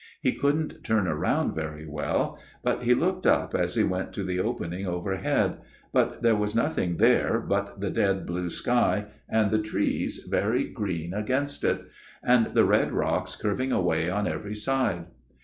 He couldn't turn round very well ; but 276 A MIRROR OF SHALOTT he looked up as he went to the opening over head ; but there was nothing there but the dead blue sky, and the trees very green against it> and the red rocks curving away on every side.